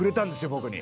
僕に。